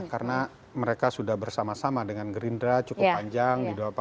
karena mereka sudah bersama sama dengan gerindra cukup panjang